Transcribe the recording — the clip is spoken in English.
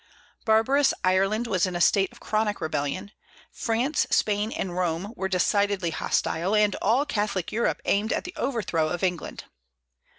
Barbarous Ireland was in a state of chronic rebellion; France, Spain, and Rome were decidedly hostile; and all Catholic Europe aimed at the overthrow of England.